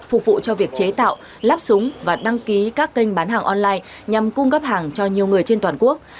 phục vụ cho việc chế tạo lắp súng và đăng ký các kênh bán hàng online nhằm cung cấp hàng cho nhiều người trên toàn quốc